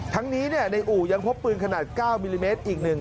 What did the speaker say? ทั้งนี้ในอู่ยังพบปืนขนาด๙มิลลิเมตรอีก๑